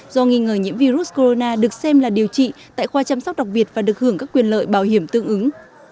do nghi ngờ nhiễm virus corona được xem là điều trị tại khoa chăm sóc đặc biệt và được hưởng các quyền lợi bảo hiểm tương ứng